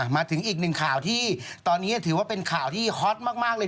มาถึงอีกหนึ่งข่าวที่ตอนนี้ถือว่าเป็นข่าวที่ฮอตมากเลย